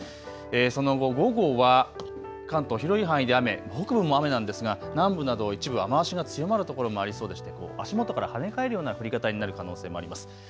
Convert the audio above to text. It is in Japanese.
その後、午後は関東、広い範囲で雨、北部も雨なんですが南部など一部雨足が強まる所もありそうでして足元から跳ね返るような降り方になる可能性もあります。